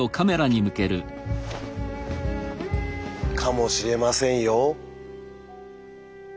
かもしれませんよ。